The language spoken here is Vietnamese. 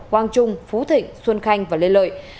quang trung phú thịnh xuân khanh và lê lợi